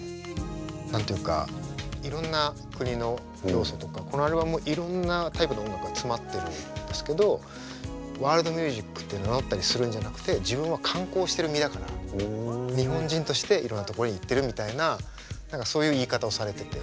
何て言うかいろんな国の要素とかこのアルバムもいろんなタイプの音楽が詰まってるんですけどワールドミュージックって名乗ったりするんじゃなくて自分は観光してる身だから日本人としていろんな所に行ってるみたいな何かそういう言い方をされてて。